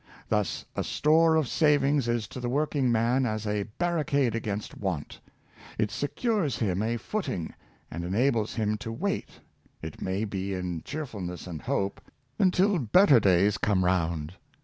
Thus a store of savings is to the work ing man as a barricade against want; it secures him a footing, and enables him to wait, it may be in cheerful ness and hope, until better days come round.